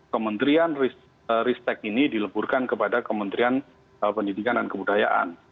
kementerian ristek ini dileburkan kepada kementerian pendidikan dan kebudayaan